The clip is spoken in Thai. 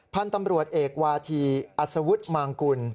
พันธุ์ตำรวจเอกวาธีอัศวุฒิมางกุล